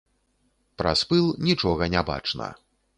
Праз пыл нічога не бачна.